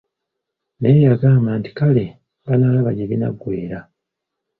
Naye yagamba nti kale, banaalaba gyebinagwera!